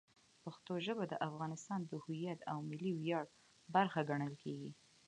پښتو ژبه د افغانستان د هویت او ملي ویاړ برخه ګڼل کېږي.